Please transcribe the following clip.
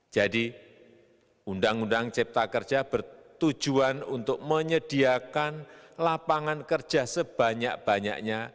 jadi undang undang cipta kerja bertujuan untuk menyediakan lapangan kerja sebanyak banyaknya